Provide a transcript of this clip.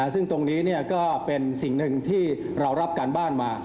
ซึ่งตรงนี้ก็เป็นสิ่งหนึ่งที่เรารับการบ้านมา